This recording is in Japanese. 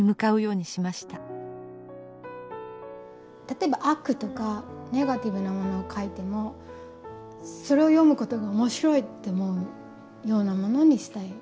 例えば悪とかネガティブなものを描いてもそれを読むことが面白いって思うようなものにしたい。